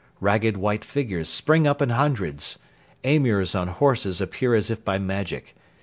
Ragged white figures spring up in hundreds. Emirs on horses appear as if by magic.